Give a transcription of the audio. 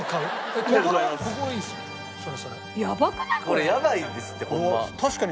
これやばいですってホンマ。